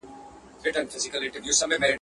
خو پيشو راته په لاره كي مرگى دئ.